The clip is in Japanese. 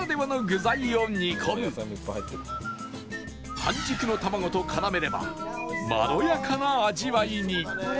半熟の卵と絡めればまろやかな味わいに